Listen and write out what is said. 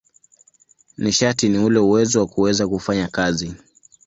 Nishati ni ule uwezo wa kuweza kufanya kazi.